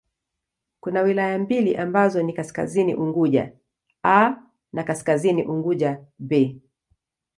Kuna wilaya mbili ambazo ni Kaskazini Unguja 'A' na Kaskazini Unguja 'B'.